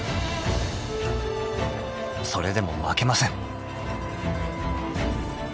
［それでも負けません］